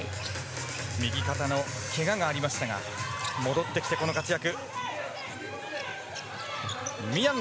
右肩のけががありましたが戻ってきて、この活躍。